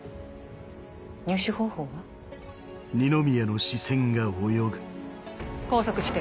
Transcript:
入手方法は？拘束して。